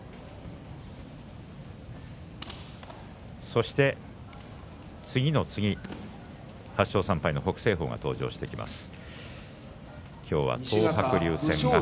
そして次の次８勝３敗の北青鵬が登場してきます。